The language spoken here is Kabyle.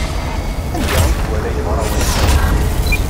Anda ay iwala yeḍra waya?